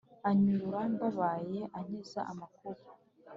Anyurura mbabaye ankiza amakuba